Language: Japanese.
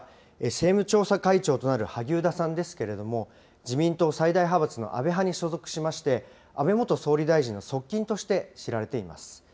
政務調査会長となる萩生田さんですけれども、自民党最大派閥の安倍派に所属しまして、安倍元総理大臣の側近として知られています。